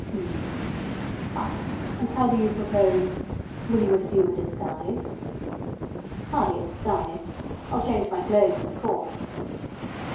"H'm. Ha! And how do you propose—Will you assume a disguise?" "Hardly a disguise! I'll change my clothes, of course."